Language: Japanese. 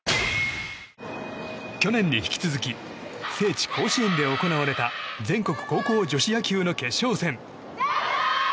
去年に引き続き聖地・甲子園で行われた全国高校女子野球の決勝戦。